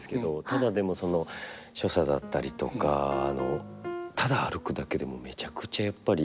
ただでもその所作だったりとかただ歩くだけでもめちゃくちゃやっぱり。